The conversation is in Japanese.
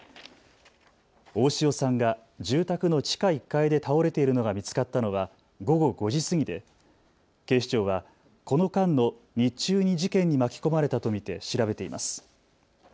大塩さんが住宅の地下１階で倒れているのが見つかったのは午後５時過ぎで警視庁はこの間の日中に事件に巻き込まれたと見て調べています。